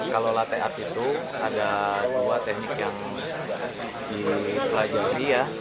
kalau latte art itu ada dua teknik yang dipelajari ya